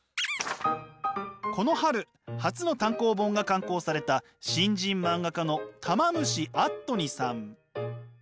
この春初の単行本が刊行された新人漫画家のたま虫あっとにさん。